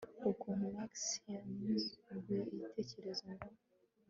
ukuntu max yanyunguye igitekerezo ngo